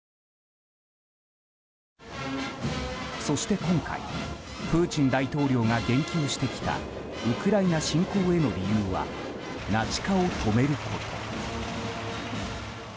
そして、今回プーチン大統領が言及してきたウクライナ侵攻への理由はナチ化を止めること。